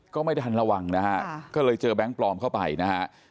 ก็ไม่ทันระวังนะฮะก็เลยเจอแบงค์ปลอมเข้าไปนะฮะ